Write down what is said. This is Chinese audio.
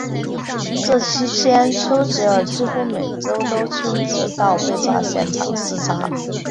这期间丘吉尔几乎每周都亲自到被炸现场视察。